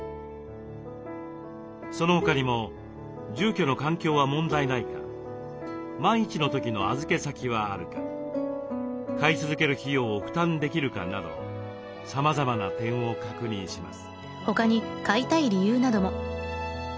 その他にも住居の環境は問題ないか万一の時の預け先はあるか飼い続ける費用を負担できるかなどさまざまな点を確認します。